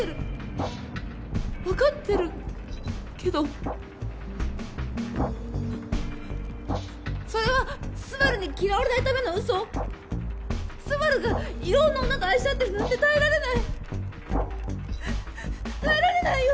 分かってるけどそれはスバルに嫌われないためのウソスバルが色んな女と愛し合ってるなんて耐えられない耐えられないよ